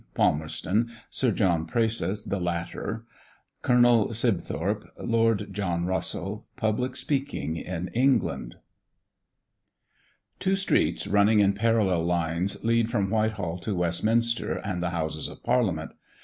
PALMERSTON. SIR JOHN PRAISETH THE LATTER. COLONEL SIBTHORP. LORD JOHN RUSSELL. PUBLIC SPEAKING IN ENGLAND. Two streets running in parallel lines lead from Whitehall to Westminster and the Houses of Parliament.